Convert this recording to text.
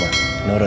papa pulang dulu ya